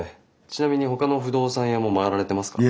ちなみにほかの不動産屋も回られてますか？